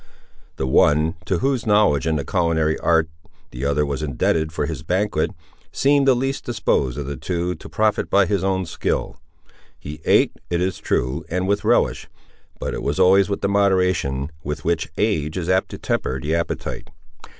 The one, to whose knowledge in the culinary art the other was indebted for his banquet, seemed the least disposed of the two to profit by his own skill. He ate, it is true, and with a relish; but it was always with the moderation with which age is apt to temper the appetite.